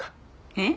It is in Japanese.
えっ？